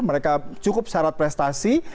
mereka cukup syarat prestasi